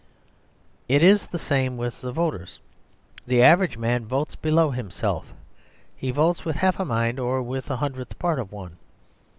It is the same with the voters. The average man votes below himself; he votes with half a mind or with a hundredth part of one.